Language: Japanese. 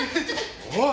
おい。